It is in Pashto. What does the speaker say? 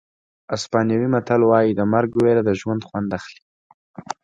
اسپانوي متل وایي د مرګ وېره د ژوند خوند اخلي.